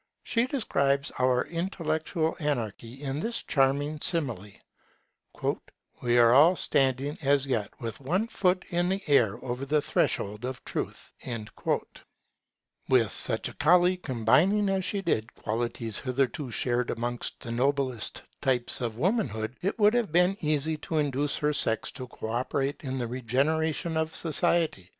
She describes our intellectual anarchy in this charming simile: 'We are all standing as yet with one foot in the air over the threshold of truth'. [It is for women to introduce Positivism into the Southern nations] With such a colleague, combining as she did qualities hitherto shared amongst the noblest types of womanhood, it would have been easy to induce her sex to co operate in the regeneration of society.